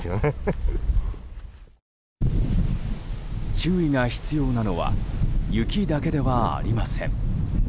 注意が必要なのは雪だけではありません。